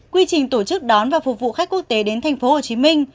quy trình tổ chức đón và phục vụ khách quốc tế đến tp hcm